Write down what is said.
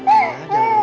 cuk cuk cuk